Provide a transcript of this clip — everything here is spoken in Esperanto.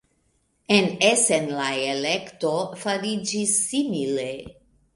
En Essen la elekto fariĝis simile.